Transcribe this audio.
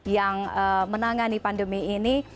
yang menangani pandemi ini